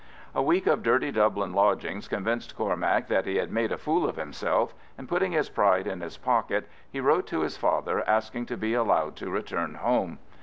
A week of dirty Dublin lodgings convinced Cormac that he had made a fool of himself, and putting his pride in his pocket, he wrote to his father asking to be allowed to return home.